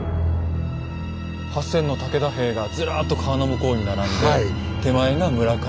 ８，０００の武田兵がずらっと川の向こうに並んで手前が村上。